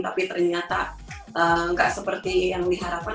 tapi ternyata nggak seperti yang diharapkan